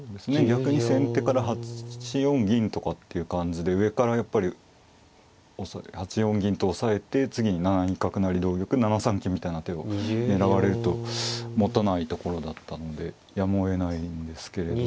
逆に先手から８四銀とかっていう感じで上からやっぱり８四銀と押さえて次に７二角成同玉７三金みたいな手を狙われるともたないところだったんでやむをえないんですけれど。